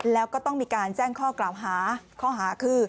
แล้วก็ต้องมีการแจ้งข้อกล่าวหาข้อหาคือ